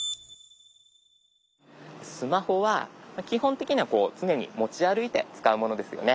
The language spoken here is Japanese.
スマホは基本的にはこう常に持ち歩いて使うものですよね。